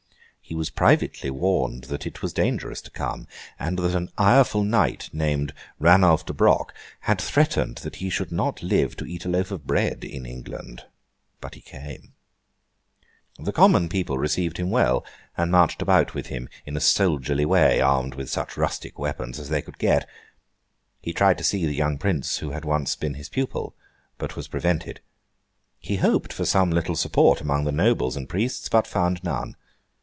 He was privately warned that it was dangerous to come, and that an ireful knight, named Ranulf de Broc, had threatened that he should not live to eat a loaf of bread in England; but he came. The common people received him well, and marched about with him in a soldierly way, armed with such rustic weapons as they could get. He tried to see the young prince who had once been his pupil, but was prevented. He hoped for some little support among the nobles and priests, but found none.